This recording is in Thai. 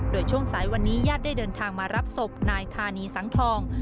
โดยช่วงสายวันนี้ญาติได้เดินทางมารับศพนายธานีสังทอง